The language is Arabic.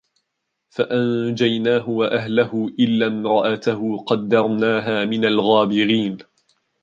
فَأَنجَيناهُ وَأَهلَهُ إِلَّا امرَأَتَهُ قَدَّرناها مِنَ الغابِرينَ